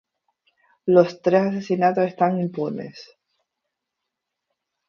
Los tres asesinatos están impunes.